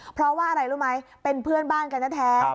เพราะว่าอะไรรู้ไหมเป็นเพื่อนบ้านกันแท้